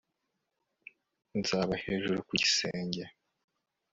Nzaba hejuru ku gisenge